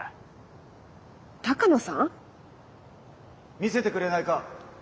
・見せてくれないか。